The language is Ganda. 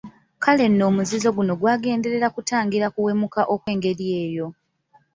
Kale nno omuzizo guno gwagenderera kutangira kuwemuka okw'engeri eyo.